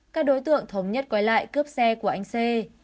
các đối tượng thống nhất quay lại cướp xe của anh sê